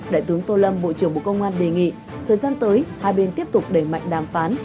đại tướng tô lâm bộ trưởng bộ công an đề nghị thời gian tới hai bên tiếp tục đẩy mạnh đàm phán